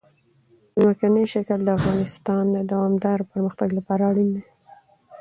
ځمکنی شکل د افغانستان د دوامداره پرمختګ لپاره اړین دي.